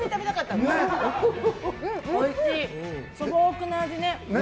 素朴な味ね。